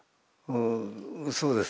そうです。